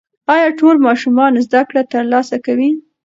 ایا ټول ماشومان زده کړه ترلاسه کوي؟